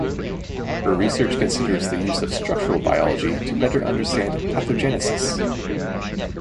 Her research considers the use of structural biology to better understand pathogenesis.